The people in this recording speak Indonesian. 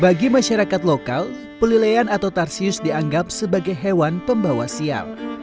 bagi masyarakat lokal pelilean atau tarsius dianggap sebagai hewan pembawa sial